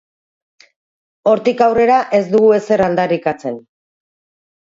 Hortik aurrera, ez dugu ezer aldarrikatzen.